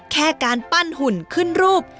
แค่การปั้นหุ่นขึ้นรูป